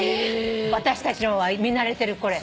私たちの見慣れてるこれ。